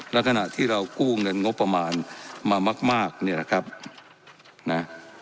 และขณะที่เรากู้เงินงบประมาณมามากมากเนี่ยนะครับนะ